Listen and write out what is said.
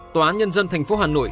tòa án nhân dân thành phố hà nội